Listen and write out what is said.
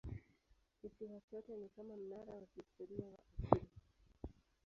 Kisiwa chote ni kama mnara wa kihistoria wa asili.